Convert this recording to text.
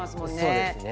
そうですね。